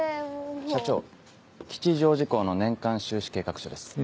社長吉祥寺校の年間収支計画書です。